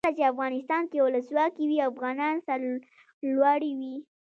کله چې افغانستان کې ولسواکي وي افغانان سرلوړي وي.